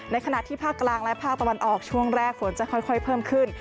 ขณะที่ภาคกลางและภาคตะวันออกช่วงแรกฝนจะค่อยเพิ่มขึ้น